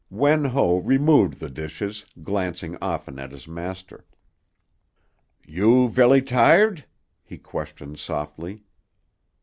Wen Ho removed the dishes, glancing often at his master. "You velly tired?" he questioned softly.